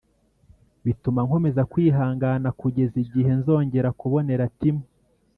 Bituma nkomeza kwihangana kugeza igihe nzongera kubonera Timo